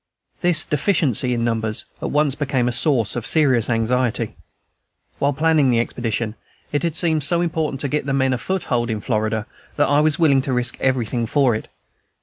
This deficiency in numbers at once became a source of serious anxiety. While planning the expedition, it had seemed so important to get the men a foothold in Florida that I was willing to risk everything for it.